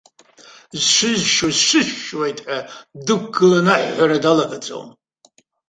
Зҽызшьуа сҽысшьуеит ҳәа дықәгыланы аҳәҳәара далагаӡом.